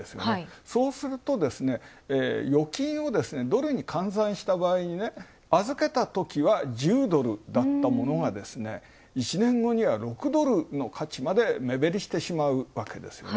そうすると預金をドルに換算した場合、預けたときは、１０ドルだったものが１年後には６ドルの価値まで目減りしてしまうわけですよね。